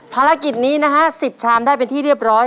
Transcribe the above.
ภารกิจนี้นะฮะ๑๐ชามได้เป็นที่เรียบร้อย